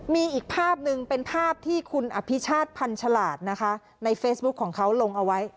มีอีกภาพหนึ่งเป็นภาพที่คุณอภิชาติพันฉลาดนะคะในเฟซบุ๊คของเขาลงเอาไว้